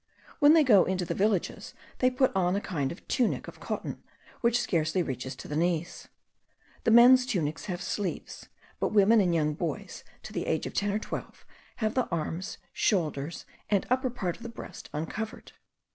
When they go into the villages they put on a kind of tunic of cotton, which scarcely reaches to the knees. The men's tunics have sleeves; but women, and young boys to the age of ten or twelve, have the arms, shoulders, and upper part of the breast uncovered.